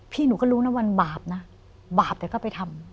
หนูก็รู้นะวันบาปนะบาปแต่ก็ไปทำ